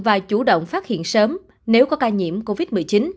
và chủ động phát hiện sớm nếu có ca nhiễm covid một mươi chín